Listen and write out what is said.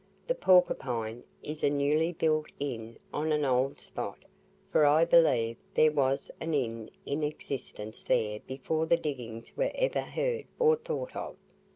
The "Porcupine" is a newly built inn on an old spot, for I believe there was an inn in existence there before the diggings were ever heard or thought of.